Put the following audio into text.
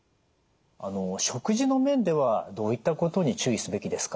食事の面ではどういったことに注意すべきですか？